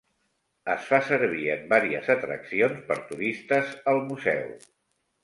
Es fa servir en varies atraccions per turistes al museu.